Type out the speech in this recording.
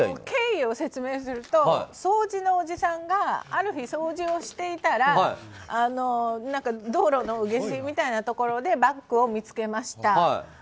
経緯を説明すると掃除のおじさんがある日、掃除をしていたら道路の下水みたいなところでバッグを見つけました。